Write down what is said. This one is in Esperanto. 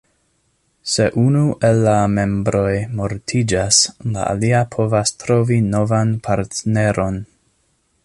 Se unu el la membroj mortiĝas, la alia povas trovi novan partneron.